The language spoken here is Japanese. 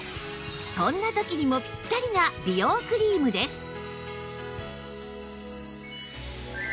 そんな時にもピッタリな美容クリームです